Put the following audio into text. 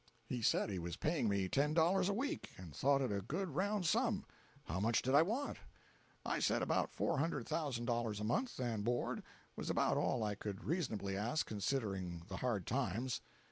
He said he was paying me ten dollars a week, and thought it a good round sum. How much did I want? I said about four hundred thousand dollars a month, and board, was about all I could reasonably ask, considering the hard times.